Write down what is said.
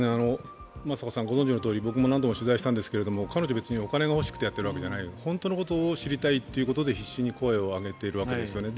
雅子さん、ご存じのとおり僕も何度も取材したんですけど、彼女、別にお金が欲しくてやっているんじゃない、本当のことを知りたいということで必死に声を上げているわけですよね。